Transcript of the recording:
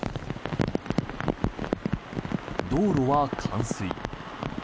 道路は冠水。